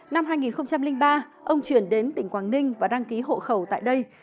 năm hai nghìn ba ông chuyển đến tỉnh quảng ninh và đăng ký hộ khẩu tại đây